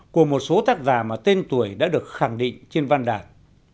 của một số tác giả mà tên tuổi đã được khẳng định trên văn đạt